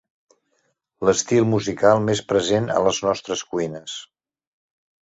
L'estil musical més present a les nostres cuines.